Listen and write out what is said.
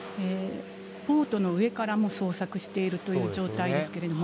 ボートの上からも捜索しているという状態ですけれども。